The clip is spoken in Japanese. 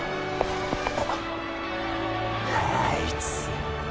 あっあいつ